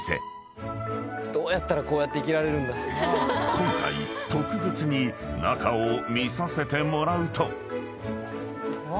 ［今回特別に中を見させてもらうと］うわ！